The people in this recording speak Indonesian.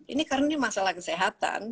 ini karena ini masalah kesehatan